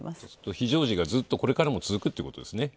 非常時がずっとこれからも続くっていうことですね。